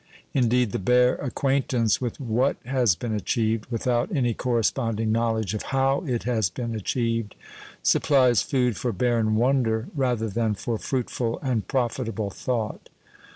Indeed, the bare acquaintance with what has been achieved, without any corresponding knowledge of how it has been achieved, supplies food for barren wonder rather than for fruitful and profitable thought.